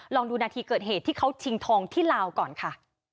ลองดูนาทีเกิดเหตุที่เขาชิงทองที่ลาวก่อนค่ะ